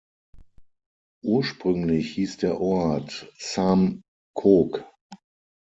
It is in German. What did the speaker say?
Ursprünglich hieß der Ort Sam Khok.